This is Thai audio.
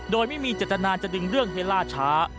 โดยไม่มีเจตนาจะดึงเรื่องให้ล่าช้า